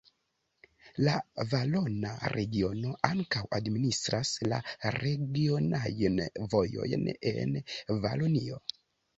La Valona Regiono ankaŭ administras la regionajn vojojn en Valonio.